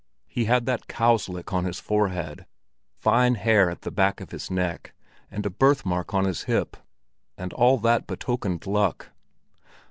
He had that "cow's lick" on his forehead, fine hair at the back of his neck, and a birth mark on his hip; and that all betokened luck.